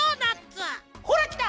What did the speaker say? ほらきた！